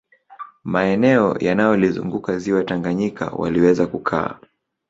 Maeneo yanayolizunguka ziwa Tanganyika waliweza kukaa